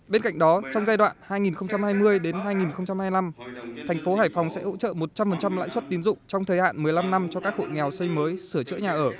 bên cạnh đó trong giai đoạn hai nghìn hai mươi hai nghìn hai mươi năm thành phố hải phòng sẽ hỗ trợ một trăm linh lãi suất tín dụng trong thời hạn một mươi năm năm cho các hộ nghèo xây mới sửa chữa nhà ở